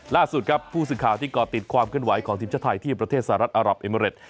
ล่าสุดครับผู้สื่อข่าวที่ก่อติดความเคลื่อนไหวของทีมชาติไทยที่ประเทศสหรัฐอารับเอเมริต